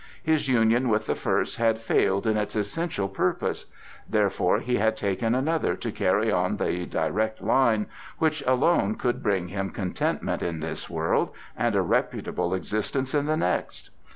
His union with the first had failed in its essential purpose; therefore he had taken another to carry on the direct line which alone could bring him contentment in this world and a reputable existence in the next.